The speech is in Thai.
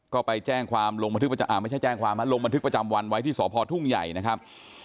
ก็ไปแจ้งความลงบันทึกประจำวันไว้ที่สภทุ่งใหญ่นะครับ